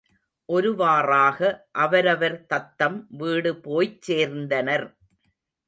ஒருவாறாக அவரவர் தத்தம் வீடு போய்ச் சேர்ந்தனர்.